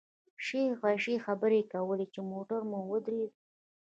شیخې عایشې خبرې کولې چې موټر مو ودرېد.